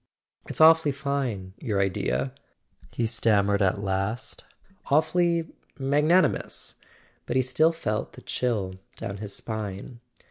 "It's awfully fine: your idea," he stammered at length. "Awfully—magnanimous." But he still felt the chill down his spine.